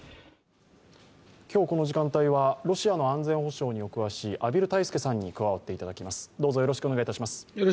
今日この時間帯は、ロシアの安全保障にお詳しい畔蒜泰助さんに加わっていただきます。